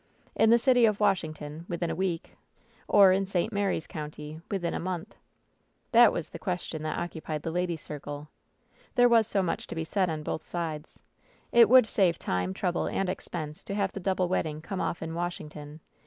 In the city of Washington, within a week, or in St Mary's County, within a month ? That was the question that occupied the ladies' circle. There was so much to be said on both sides. It would save time, trouble and expense to have the double wed ding come off in Washington.